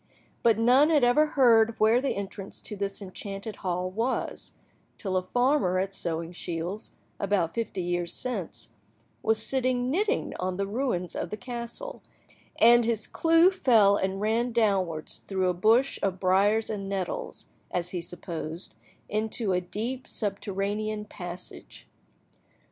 But none had ever heard where the entrance to this enchanted hall was, till a farmer at Sewingshields, about fifty years since, was sitting knitting on the ruins of the castle, and his clew fell and ran downwards through a bush of briars and nettles, as he supposed, into a deep subterranean passage.